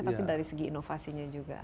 tapi dari segi inovasinya juga